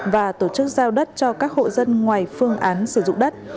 và tổ chức giao đất cho các hộ dân ngoài phương án sử dụng đất